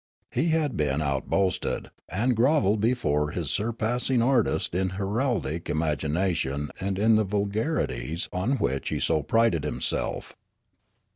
He had been outboasted, and grovelled before this surpass ing artist in heraldic imagination and in the vulgarities on which he so prided himself.